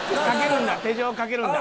「かけるんだ。